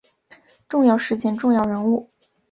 重要事件重要人物